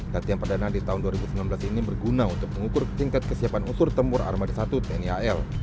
latihan perdana di tahun dua ribu sembilan belas ini berguna untuk mengukur tingkat kesiapan unsur tempur armada satu tni al